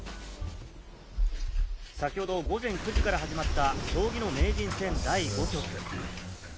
先ほど午前９時から始まった将棋の名人戦第５局。